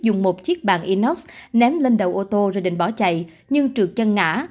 dùng một chiếc bàn inox ném lên đầu ô tô rồi định bỏ chạy nhưng trượt chân ngã